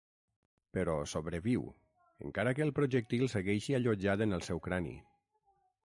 Però sobreviu, encara que el projectil segueixi allotjat en el seu crani.